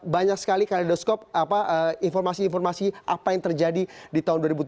banyak sekali kaledoskop informasi informasi apa yang terjadi di tahun dua ribu tujuh belas